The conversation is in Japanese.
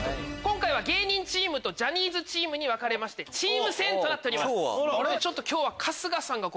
芸人チームとジャニーズチームに分かれましてチーム戦となっております。